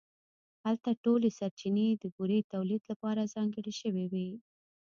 هلته ټولې سرچینې د بورې تولید لپاره ځانګړې شوې وې